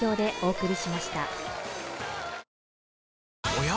おや？